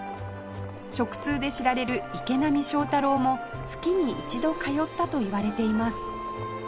食通で知られる池波正太郎も月に一度通ったといわれています